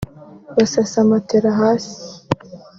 basasa matela hasi